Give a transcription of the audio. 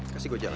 kasih gue jalan